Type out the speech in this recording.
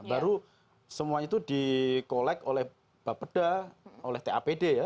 baru semua itu dikolek oleh bapeda oleh tapd ya